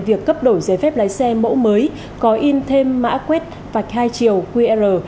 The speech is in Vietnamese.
việc cấp đổi giấy phép lái xe mẫu mới có in thêm mã quét vạch hai chiều qr